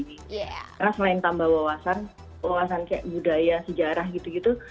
karena selain tambah wawasan wawasan kayak budaya sejarah gitu gitu